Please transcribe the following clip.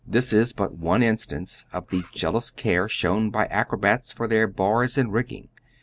This is but one instance of the jealous care shown by acrobats for their bars and rigging.